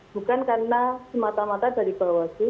bukan karena semata mata dari bapak selu